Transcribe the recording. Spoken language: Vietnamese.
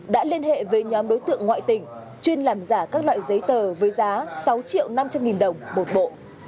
đã liên hệ với nhóm đối tượng ngoại tỉnh chuyên làm giả các loại giấy tờ với giá sáu triệu năm trăm linh nghìn đồng một bộ